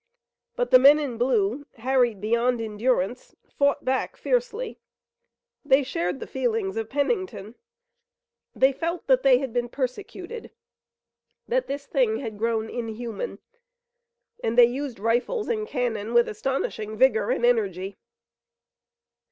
But the men in blue, harried beyond endurance, fought back fiercely. They shared the feelings of Pennington. They felt that they had been persecuted, that this thing had grown inhuman, and they used rifles and cannon with astonishing vigor and energy.